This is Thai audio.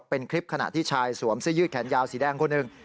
เป็นคลิปขณะที่ชายสวมเสื้อยืดแขนยาวสีแดงคนหนึ่ง